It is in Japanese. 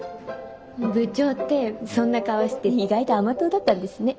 部長ってそんな顔して意外と甘党だったんですね。